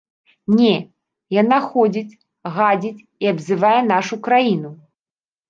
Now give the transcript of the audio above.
Не, яна ходзіць, гадзіць і абзывае нашу краіну.